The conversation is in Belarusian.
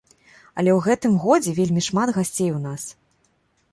Але ў гэтым годзе вельмі шмат гасцей у нас.